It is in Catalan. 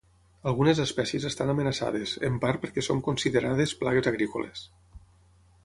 Algunes espècies estan amenaçades, en part perquè són considerades plagues agrícoles.